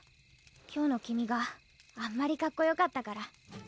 今日の君があんまりかっこよかったから。